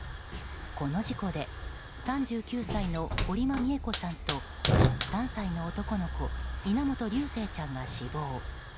この事故で３９歳の堀間美恵子さんと３歳の男の子稲本琉正ちゃんが死亡。